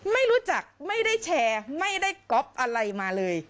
ไม่รู้จักไม่ได้แชร์ไม่ได้ก๊อปอะไรมาเลย